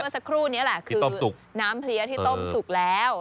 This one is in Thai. เหมือนเมื่อสักครู่นี้แหละคือน้ำเพลี้ยที่ต้มสุกแล้ว